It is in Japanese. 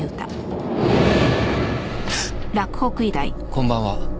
こんばんは。